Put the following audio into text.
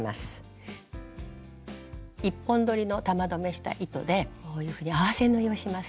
１本どりの玉留めした糸でこういうふうに合わせ縫いをします。